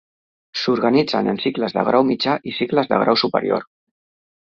S'organitzen en cicles de grau mitjà i cicles de grau superior.